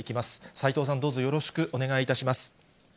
斎藤さん、どうぞよろしくお願いいたします。